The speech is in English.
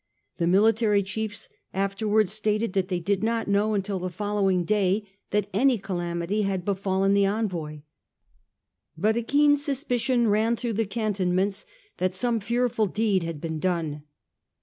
The military chiefs afterwards stated that they did not know until the following day that any calamity had befallen the envoy. But a keen suspicion ran through the can tonments that some fearful deed had been done.